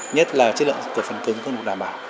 nhất là chất lượng sản phẩm cứng không được đảm bảo